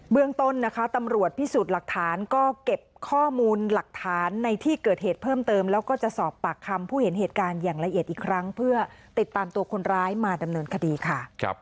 เรื่องต้นนะคะตำรวจพิสูจน์หลักฐานก็เก็บข้อมูลหลักฐานในที่เกิดเหตุเพิ่มเติมแล้วก็จะสอบปากคำผู้เห็นเหตุการณ์อย่างละเอียดอีกครั้งเพื่อติดตามตัวคนร้ายมาดำเนินคดีค่ะ